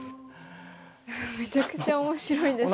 めちゃくちゃ面白いですけど。